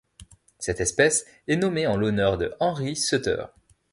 Cette espèce est nommée en l'honneur de Henry Suter.